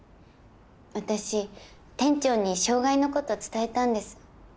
私店長に障害のこと伝えたんです。